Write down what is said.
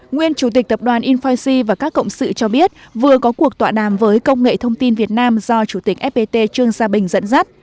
nguyên chủ tịch tập đoàn infice và các cộng sự cho biết vừa có cuộc tọa đàm với công nghệ thông tin việt nam do chủ tịch fpt trương gia bình dẫn dắt